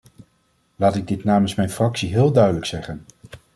Laat ik dit namens mijn fractie heel duidelijk zeggen.